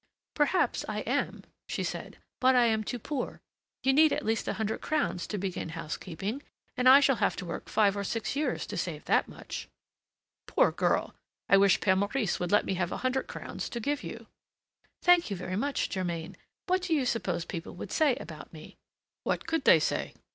"Perhaps I am," she said; "but I am too poor. You need at least a hundred crowns to begin housekeeping, and I shall have to work five or six years to save that much." "Poor girl! I wish Pere Maurice would let me have a hundred crowns to give you." "Thank you very much, Germain. What do you suppose people would say about me?" "What could they say?